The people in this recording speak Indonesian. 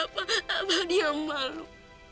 papa dia malu